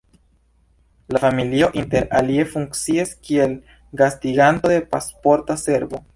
La familio inter alie funkcias kiel gastiganto de Pasporta Servo.